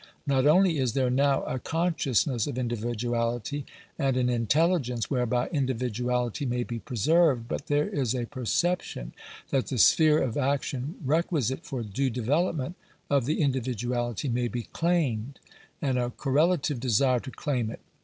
Not only is there now a con sciousness of individuality, and an intelligence whereby indi viduality may be preserved ; but there is a perception that thel sphere of action requisite for due development of the indi viduality may be claimed ; and a correlative desire to claim it.